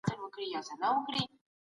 دولت د بهرنیو پانګوالو مخه ونه نیوله.